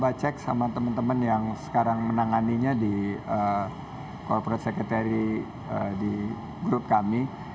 saya cek sama teman teman yang sekarang menanganinya di corporate secretary di grup kami